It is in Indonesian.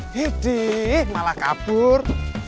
hidih malah kabur